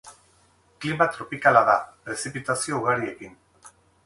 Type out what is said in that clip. Klima tropikala da, prezipitazio ugariekin.